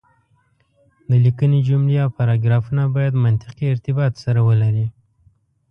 د ليکنې جملې او پاراګرافونه بايد منطقي ارتباط سره ولري.